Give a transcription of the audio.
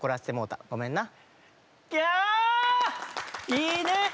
いいね。